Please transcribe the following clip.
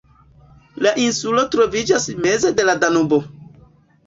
La insulo troviĝas meze de la Danubo.